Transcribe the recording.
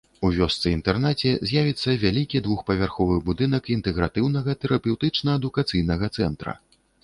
У вёсцы-інтэрнаце з'явіцца вялікі двухпавярховы будынак інтэгратыўнага тэрапеўтычна-адукацыйнага цэнтра.